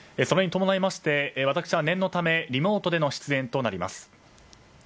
それに伴いまして私は念のためリモートでの出演となります。